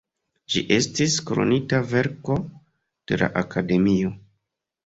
Ĝi estis "Kronita verko de la Akademio".